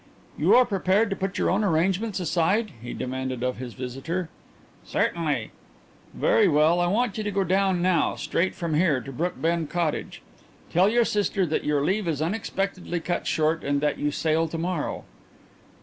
"You are prepared to put your own arrangements aside?" he demanded of his visitor. "Certainly." "Very well. I want you to go down now straight from here to Brookbend Cottage. Tell your sister that your leave is unexpectedly cut short and that you sail to morrow."